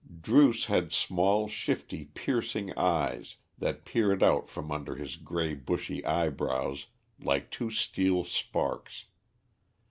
Druce had small, shifty piercing eyes that peered out from under his grey bushy eyebrows like two steel sparks.